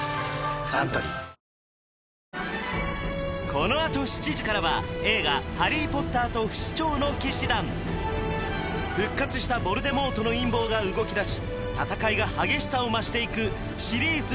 このあと７時からは映画「ハリー・ポッターと不死鳥の騎士団」復活したヴォルデモートの陰謀が動きだし戦いが激しさを増していくシリーズ